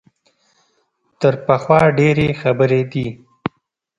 تر پخوا ډېرې خبرې دي.